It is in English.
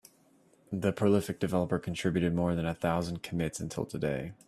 The prolific developer contributed more than a thousand commits until today.